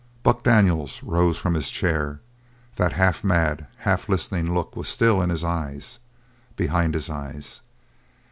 Buck Daniels rose from his chair; that half mad, half listening look was still in his eyes behind his eyes.